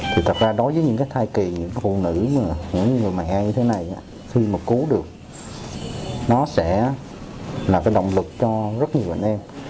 thì thật ra đối với những cái thai kỳ những cái phụ nữ những người mẹ như thế này á khi mà cứu được nó sẽ là cái động lực cho rất nhiều bệnh em